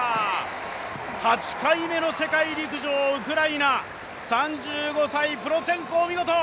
８回目の世界陸上、ウクライナ、３５歳、プロツェンコ、お見事！